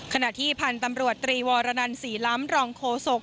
ขณะที่พันธุ์ตำรวจตรีวรนันศรีล้ำรองโฆษก